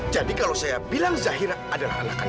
jadi kalau saya bilang syahirah adalah anak kamu